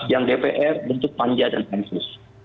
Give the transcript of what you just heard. yang dpr bentuk panja dan pansus